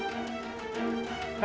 kau akan kutangkap